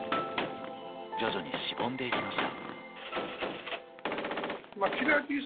徐々にしぼんでいきました。